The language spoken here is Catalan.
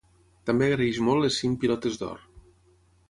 També agraeix molt les cinc Pilotes d'Or.